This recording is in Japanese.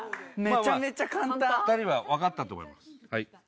２人は分かったと思います。